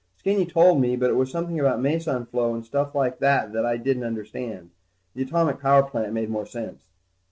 Skinny told me, but it was something about meson flow and stuff like that that I didn't understand. The atomic power plant made more sense.